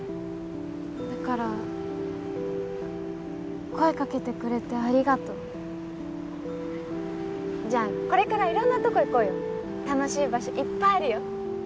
だから声掛けてくれてありがとうじゃあこれからいろんなとこ行こうよ楽しい場所いっぱいあるよ！